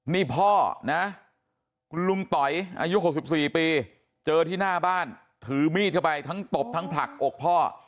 นี่พ่อนะคุณลุงต๋อยอายุ๖๔ปีเจอที่หน้าบ้านถือมีดเข้าไปทั้งตบทั้งผลักอกพ่อ